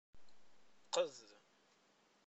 Qqed.